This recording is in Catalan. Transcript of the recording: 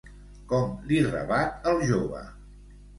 Com li rebat el jove?